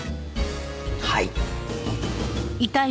はい。